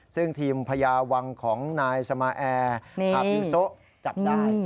ซึ่งทีมพญาวังของนายสมาแอร์พาพิวโซจับได้